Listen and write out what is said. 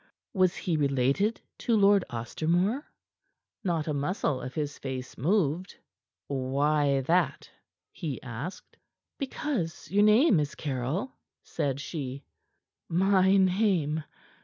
Was he related to Lord Ostermore?" Not a muscle of his face moved. "Why that?" he asked. "Because your name is Caryll," said she. "My name?"